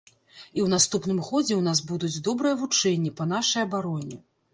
І ў наступным годзе ў нас будуць добрыя вучэнні па нашай абароне.